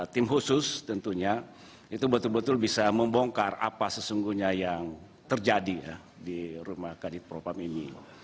tim khusus tentunya itu betul betul bisa membongkar apa sesungguhnya yang terjadi di rumah kadit propam ini